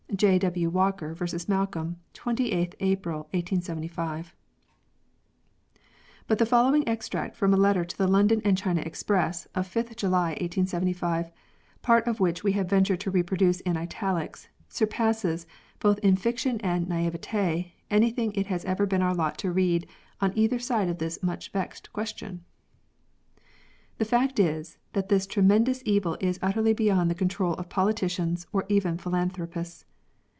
— (J. W. "Walker v. Malcolm, 28th April 1875.) But the following extract from a letter to the London and China Express, of 5th July 1875, part of which we have ventured to reproduce in italics, surpasses, both in fiction and naivete, anything it has ever been our lot to read on either side of this much vexed question :—" The fact is, that this tremendous evil is utterly beyond the control of politicians, or even philanthropists.